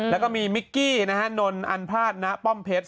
แล้วก็มีมิกกี้นะฮะนนอันพลาดณป้อมเพชร